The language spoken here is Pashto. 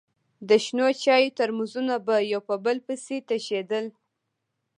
د شنو چايو ترموزونه به يو په بل پسې تشېدل.